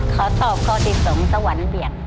ขอตอบข้อที่๒สวรรค์เบียด